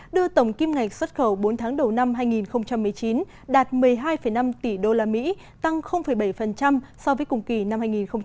đưa tổng kim ngạch xuất khẩu bốn tháng đầu năm hai nghìn một mươi chín đạt một mươi hai năm tỷ usd tăng bảy so với cùng kỳ năm hai nghìn một mươi tám